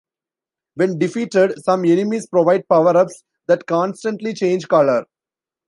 When defeated, some enemies provide power-ups that constantly change colour.